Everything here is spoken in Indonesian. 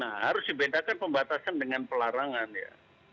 nah harus dibedakan pembatasan dengan pelarangan ya